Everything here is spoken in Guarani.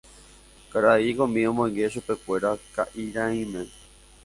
Karai komi omoinge chupekuéra ka'irãime.